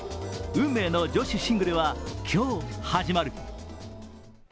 運命の女子シングルは今日始まる。